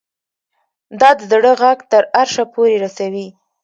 دا د زړه غږ تر عرشه پورې رسوي